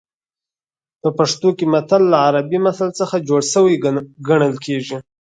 په پښتو کې متل له عربي مثل څخه جوړ شوی ګڼل کېږي